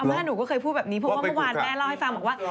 แม่หนูก็เคยพูดแบบนี้เพราะว่าเมื่อวานแม่เล่าให้ฟังบอกว่า